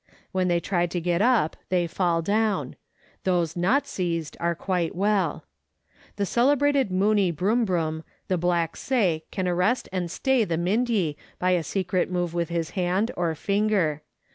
When they try to get up they fall down; those not seized are quite well. The celebrated Munuie Brumbrum, the blacks say, can arrest and stay the Mindye by a secret move with his hand or finger.